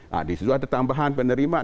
nah disitu ada tambahan penerimaan